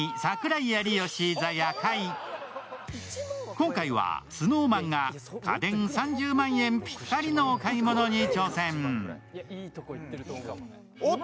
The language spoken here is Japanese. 今回はＳｎｏｗＭａｎが家電３０万円ぴったりのお買い物に挑戦。